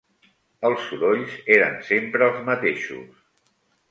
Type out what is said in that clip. Els sorolls eren sempre els mateixos.